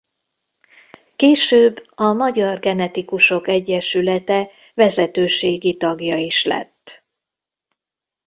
Később a Magyar Genetikusok Egyesülete vezetőségi tagja is lett.